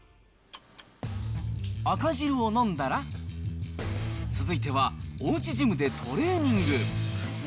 赤汁を飲んだら、続いては、おうちジムでトレーニング。